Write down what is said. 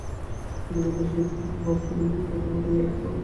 কিন্তু উপদেশ দিয়ে জীবকে পাপ থেকে নিবৃত্ত করতে পারলে জগতে আর পাপ থাকে না।